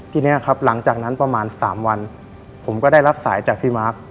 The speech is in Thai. ทีนี้ครับหลังจากนั้นประมาณ๓วันผมก็ได้รับสายจากพี่มาร์ค